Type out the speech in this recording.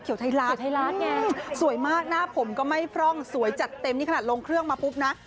ไทยรัฐเขียวไทยรัฐไงสวยมากหน้าผมก็ไม่พร่องสวยจัดเต็มนี่ขนาดลงเครื่องมาปุ๊บนะ